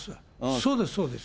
そうです、そうです。